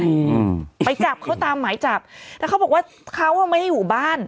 มันจะไปจับเขาตามหมายจับแล้วเขาบอกว่าเขาไม่อยู่บ้าน